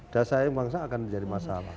daya saing bangsa akan menjadi masalah